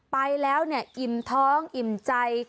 ไปแล้วอิ่มท้องอิ่มใจ